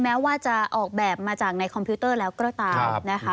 แม้ว่าจะออกแบบมาจากในคอมพิวเตอร์แล้วก็ตามนะคะ